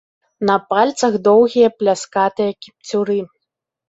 На пальцах доўгія пляскатыя кіпцюры.